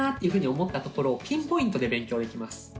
いうふうに思ったところをピンポイントで勉強できます。